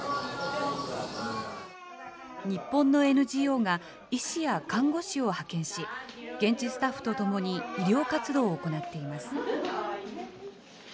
日本のＮＧＯが、医師や看護師を派遣し、現地スタッフとともに医療活動を行っています。